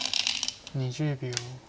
２０秒。